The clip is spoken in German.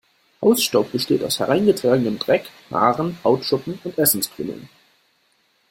Hausstaub besteht aus hereingetragenem Dreck, Haaren, Hautschuppen und Essenskrümeln.